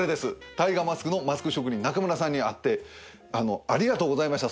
タイガーマスクのマスク職人中村さんに会ってありがとうございました